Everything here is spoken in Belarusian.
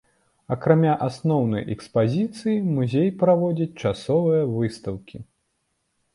Акрамя асноўнай экспазіцыі музей праводзіць часовыя выстаўкі.